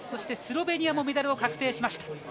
スロベニアもメダルが確定しました。